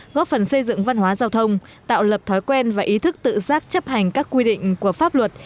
góp phần xây dựng văn hóa giao thông tạo lập thói quen và ý thức tự giác chấp hành các quy định của pháp luật